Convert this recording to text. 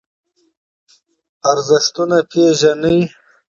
ارزښتونه پېژنئ.